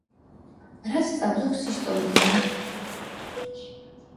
რას სწავლობს ისტორია?